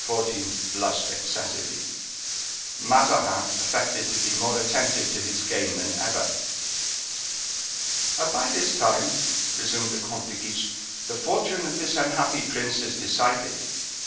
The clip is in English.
blushed excessively. Mazarin affected to be more attentive to his game than ever. "By this time," resumed the Comte de Guiche, "the fortune of this unhappy prince is decided.